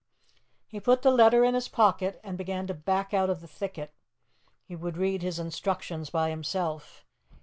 He put the letter in his pocket, and began to back out of the thicket. He would read his instructions by himself.